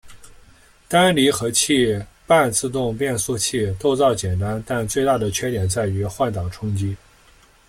单离合器半自动变速器构造简单但最大的缺点在于换挡冲击。